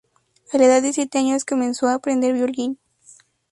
A la edad de siete años, comenzó a aprender violín.